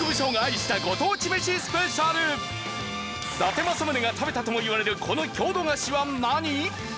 伊達政宗が食べたともいわれるこの郷土菓子は何？